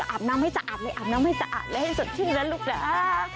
อาบน้ำให้สะอาดเลยให้สดชิ้นแล้วลูกน้า